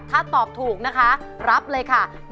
ถ้าตอบถูกนะคะรับเลยค่ะ